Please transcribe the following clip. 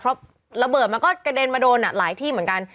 เพราะระเบิดมันก็กระเด็นมาโดนหลายที่เหมือนกัน